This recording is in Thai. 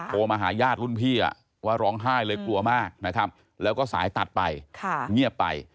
โทรมาหาญาติรุ่นพี่ว่าร้องไห้เลยกลัวมากนะครับแล้วก็สายตัดไปเงียบไป